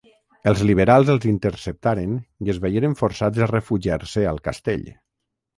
Els liberals els interceptaren i es veieren forçats a refugiar-se al castell.